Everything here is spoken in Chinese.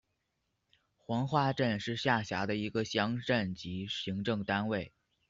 黄花镇是下辖的一个乡镇级行政单位。